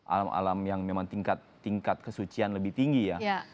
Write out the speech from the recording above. alam alam yang memang tingkat kesucian lebih tinggi ya